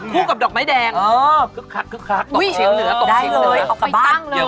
อ๋อคู่กับดอกไม้แดงคึกคักตกชึงเหลือตกชึกเหลืออ๋อได้เลยออกไปตั้งเลย